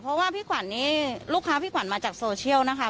เพราะว่าลูกค้าพี่ขวัญมาจากโซเชียลนะคะ